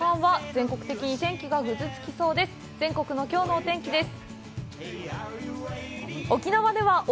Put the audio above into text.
全国のきょうのお天気です。